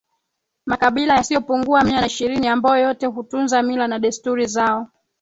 Makabila yasiyopungua Mia na ishirini ambayo yote hutunza mila na desturi zao